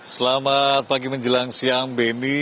selamat pagi menjelang siang benny